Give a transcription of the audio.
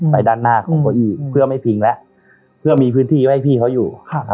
ด้านหน้าของเก้าอี้เพื่อไม่พิงแล้วเพื่อมีพื้นที่ไว้ให้พี่เขาอยู่